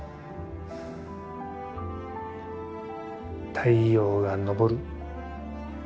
太陽が昇る。